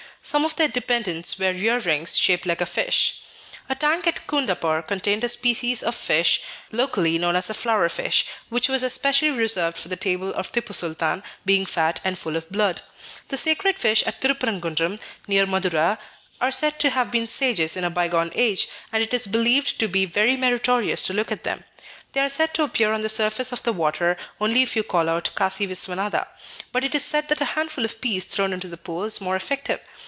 Some of their dependents wear ear rings shaped like a fish." A tank at Coondapoor contained a species of fish locally known as the flower fish, which was especially reserved for the table of Tipu Sultan, being fat and full of blood. The sacred fish at Tirupparankunram near Madura are said to have been sages in a bygone age, and it is believed to be very meritorious to look at them. They are said to appear on the surface of the water only if you call out "Kasi Visvanatha." But it is said that a handful of peas thrown into the pool is more effective.